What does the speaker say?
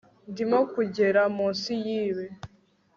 ndimo kugera munsi yibi